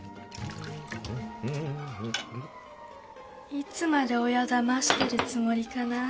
いつまで親だましてるつもりかな。